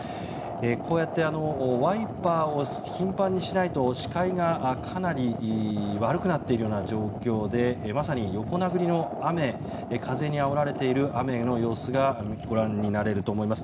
こうやってワイパーを頻繁にしないと視界がかなり悪くなっているような状況でまさに横殴りの雨風にあおられている様子がご覧になれると思います。